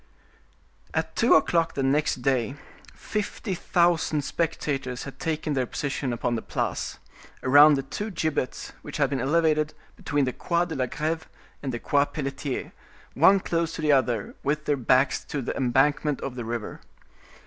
At two o'clock the next day fifty thousand spectators had taken their position upon the Place, around the two gibbets which had been elevated between the Quai de la Greve and the Quai Pelletier; one close to the other, with their backs to the embankment of the river.